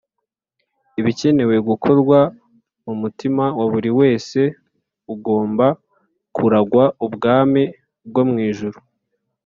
ibikenewe gukorwa mu mutima wa buri wese ugomba kuragwa ubwami bwo mw’ijuru